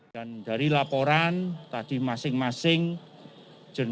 dan dari laporan tadi masing masing jenis